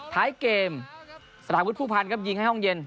ท้ายเกมสลาวุฒิผู้พันธ์ครับยิงให้ห้องเย็น